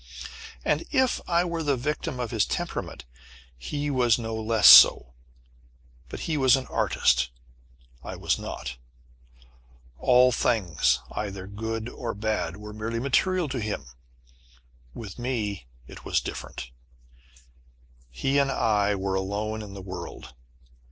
And, if I were the victim of his temperament, he was no less so. But he was an artist. I was not. All things either good or bad were merely material to him. With me it was different. He and I were alone in the world.